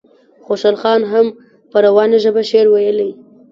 خوشحال خان هم په روانه ژبه شعر ویلی.